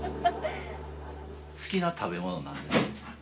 好きな食べ物なんですか？